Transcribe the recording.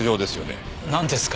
なんですか？